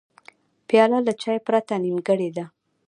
پیاله له چای پرته نیمګړې ده.